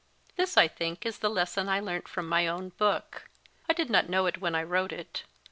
This, I think, is the lesson I learnt from my own book. I did not know it when I wrote it.